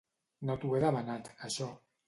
No t'ho he demanat, això.